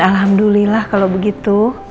alhamdulillah kalau begitu